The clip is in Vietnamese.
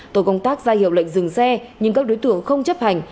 tổ công tác ra hiệu lệnh dừng xe nhưng các đối tượng không chấp hành